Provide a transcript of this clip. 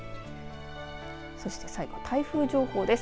そして最後、台風情報です。